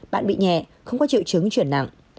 bạn bị nhẹ không có triệu chứng chuyển nặng